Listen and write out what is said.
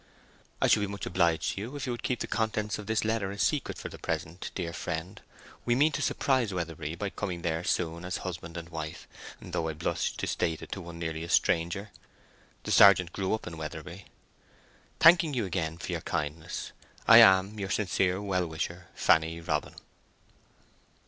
I should be much obliged to you if you would keep the contents of this letter a secret for the present, dear friend. We mean to surprise Weatherbury by coming there soon as husband and wife, though I blush to state it to one nearly a stranger. The sergeant grew up in Weatherbury. Thanking you again for your kindness, I am, your sincere well wisher, FANNY ROBIN.